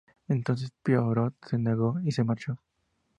Entonces Poirot se negó y se marchó.